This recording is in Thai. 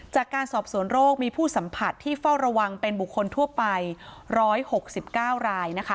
จากการสอบสวนโรคมีผู้สัมผัสที่เฝ้าระวังเป็นบุคคลทั่วไป๑๖๙รายนะคะ